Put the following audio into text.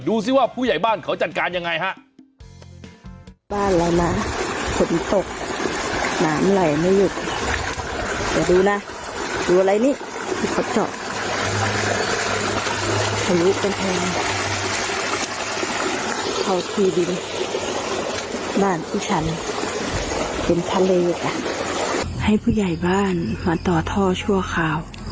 ซิว่าผู้ใหญ่บ้านเขาจัดการยังไงฮะ